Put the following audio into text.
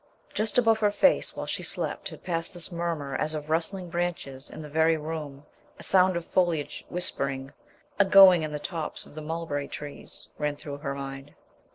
Just above her face while she slept had passed this murmur as of rustling branches in the very room, a sound of foliage whispering. "A going in the tops of the mulberry trees," ran through her mind.